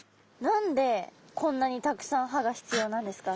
何でこんなにたくさん歯が必要なんですか？